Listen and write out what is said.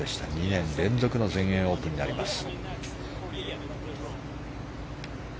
２年連続の全英オープンになります。